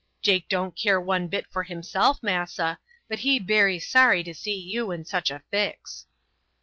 Jake don't care one bit for himself, massa, but he bery sorry to see you in such a fix."